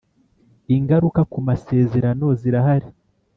ingaruka kumasezerano zirahari.